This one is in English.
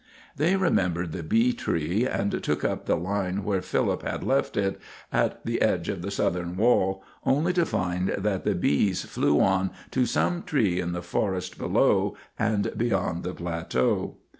They remembered the bee tree, and took up the line where Philip had left it, at the edge of the southern wall, only to find that the bees flew on to some tree in the forest below and beyond the plateau.